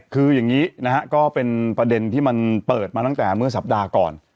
คืออย่างนี้นะฮะก็เป็นประเด็นที่มันเปิดมาตั้งแต่เมื่อสัปดาห์ก่อน